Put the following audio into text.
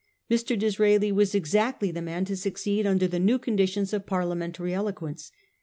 Mr. Disraeli was exactly the man to succeed under the new conditions of Parliamentary eloquence.